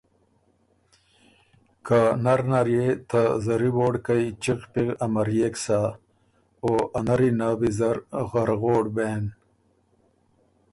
که نر نر يې ته زری ووړکئ چِغ پِغ امريېک سَۀ او ا نري نه ویزر غرغوړ بېن۔